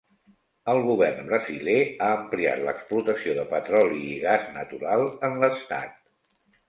El govern brasiler ha ampliat l'explotació de petroli i gas natural en l'estat.